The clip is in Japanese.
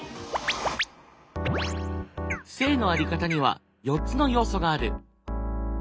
性の在り方には４つの要素がある。